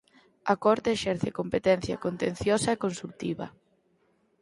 A Corte exerce competencia contenciosa e consultiva.